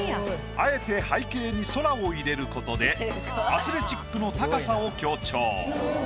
あえて背景に空を入れることでアスレチックの高さを強調。